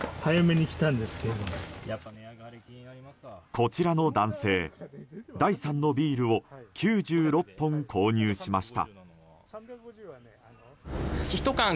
こちらの男性、第３のビールを９６本購入しました。